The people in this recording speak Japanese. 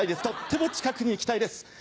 とっても近くに行きたいです！